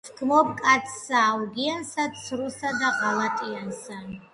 ვჰგმობ კაცსა აუგიანსა, ცრუსა და ღალატიანსა.